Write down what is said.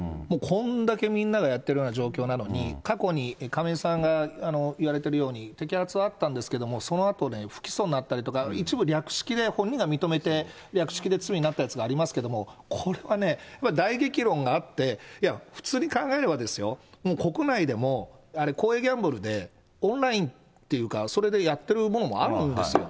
こんだけみんながやってるような状況なのに、過去に亀井さんが言われているように、摘発はあったんですけど、そのあと不起訴になったり、一部略式で本人が認めて略式で罪になったやつありますけれども、これはね、大激論があって、普通に考えればですよ、もう国内でも、公営ギャンブルでオンラインっていうか、それでやってるものもあるんですよ。